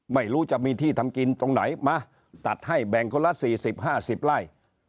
ไม่รู้จะมีที่ทำกินตรงไหนมาตัดให้แบ่งคนละสี่สิบห้าสิบไล่